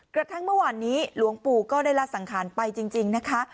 กระทั่งเมื่อวานนี้หลวงปู่ก็ได้ละสังขารไปจริงนะคะ